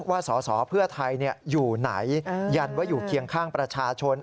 ว่าสศเพื่อทายเนี่ยอยู่ไหนยันว่าอยู่เคียงข้างประชาชน